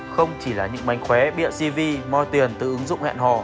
không chỉ là những mánh khóe bịa cv moi tiền từ ứng dụng hẹn hò